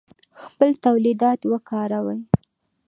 خپل تولیدات وکاروئ